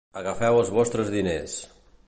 Agafeu els vostres diners.